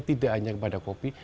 tidak hanya kepada kopi